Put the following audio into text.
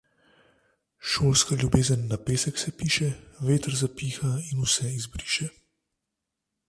Šolska ljubezen na pesek se piše, veter zapiha in vse izbriše.